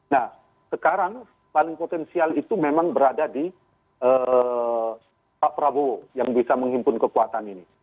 nah sekarang paling potensial itu memang berada di pak prabowo yang bisa menghimpun kekuatan ini